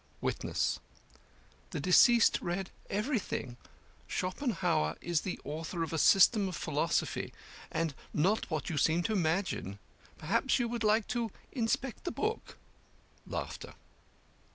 WITNESS: The deceased read everything. Schopenhauer is the author of a system of philosophy, and not what you seem to imagine. Perhaps you would like to inspect the book?